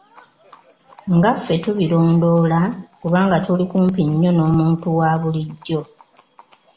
Nga ffe tubirondoola kubanga tuli kumpi nnyo n’omuntu wa bulijjo.